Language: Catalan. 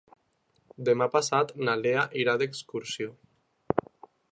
Demà passat na Lea irà d'excursió.